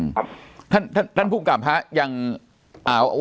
จนถึงปัจจุบันมีการมารายงานตัว